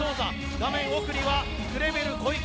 画面奥にはクレベル・コイケ